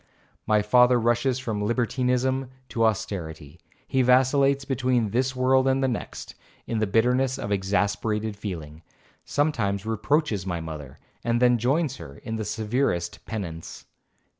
My father rushes from libertinism to austerity,—he vacillates between this world and the next;—in the bitterness of exasperated feeling, sometimes reproaches my mother, and then joins her in the severest penance.